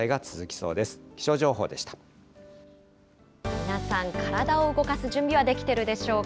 皆さん、体を動かす準備はできてるでしょうか。